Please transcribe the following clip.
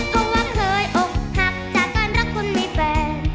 เพราะว่าเคยอกหักจากการรักคุณมีแฟน